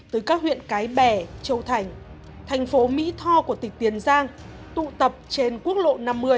từ các huyện cái bè châu thành thành phố mỹ tho của tỉnh tiền giang tụ tập trên quốc lộ năm mươi